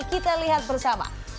kita lihat bersama